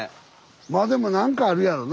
まあでも何かあるやろな